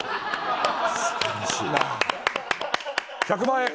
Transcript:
１００万円。